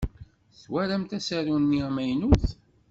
Twalamt asaru-nni amaynut?